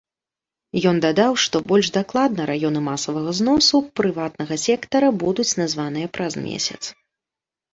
Ён дадаў, што больш дакладна раёны масавага зносу прыватнага сектара будуць названыя праз месяц.